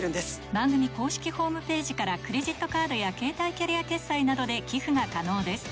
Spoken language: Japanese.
番組公式ホームページからクレジットカードや携帯キャリア決済などで寄付が可能です